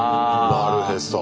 なるへそ。